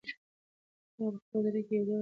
هغه په خپل زړه کې یو ډول پټ خپګان درلود.